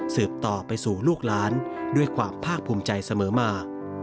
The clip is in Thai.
ต่อไปสู่ลูกหลานด้วยความภาคภูมิใจเสมอมา